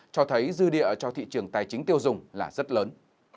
cho thấy dư địa cho thị trường tài chính tiêu dùng là rất lớn